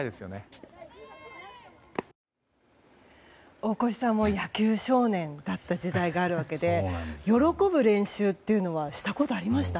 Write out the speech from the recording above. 大越さんも野球少年だった時代があるわけで喜ぶ練習というのはしたことありました？